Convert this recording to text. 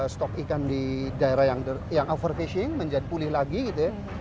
stok ikan di daerah yang overfishing menjadi pulih lagi gitu ya